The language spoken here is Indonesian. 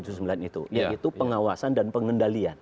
yaitu pengawasan dan pengendalian